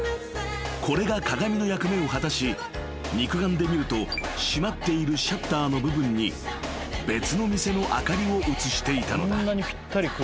［これが鏡の役目を果たし肉眼で見ると閉まっているシャッターの部分に別の店の明かりを映していたのだ］